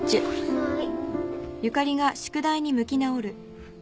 はい。